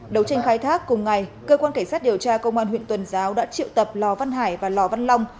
đầu tranh khai thác cùng ngày cơ quan cảnh sát điều tra công an huyện tuần giáo đã triệu tập lò văn hải và lò văn long